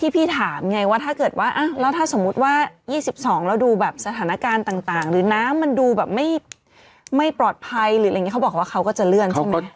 พี่ถามไงว่าถ้าเกิดว่าแล้วถ้าสมมุติว่า๒๒แล้วดูแบบสถานการณ์ต่างหรือน้ำมันดูแบบไม่ปลอดภัยหรืออะไรอย่างนี้เขาบอกว่าเขาก็จะเลื่อนใช่ไหม